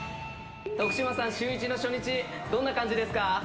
徳島さん、シューイチの初日、どんな感じですか？